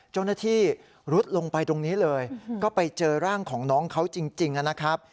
เจ้าหน้าที่รุดลงไปตรงนี้เลยก็ไปเจอร่างของน้องเขาจริงนะครับ